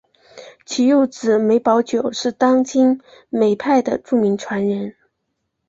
其幼子梅葆玖是当今梅派的著名传人。